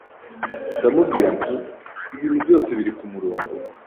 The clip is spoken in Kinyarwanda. ndamubwira nti ibintu byose biri ku murongo,